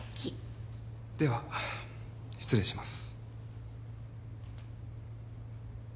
では失礼します。